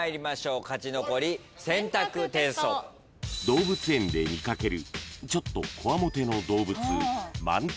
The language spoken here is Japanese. ［動物園で見かけるちょっとこわもての動物］